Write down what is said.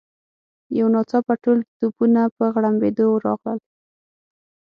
یو ناڅاپه ټول توپونه په غړمبېدو راغلل.